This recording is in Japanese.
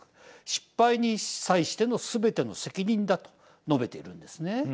失敗に際してのすべての責任だと述べているんですね。